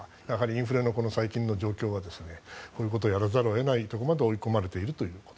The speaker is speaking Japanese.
インフレの最近の状況はこういうことをやらざることを得ないところまで追い込まれていると。